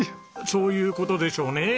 そういう事でしょうね。